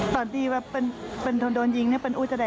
พระเจ้าที่อยู่ในเมืองของพระเจ้า